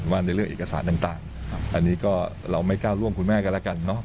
ในเรื่องเอกสารต่างอันนี้ก็เราไม่ก้าวล่วงคุณแม่กันแล้วกันเนอะ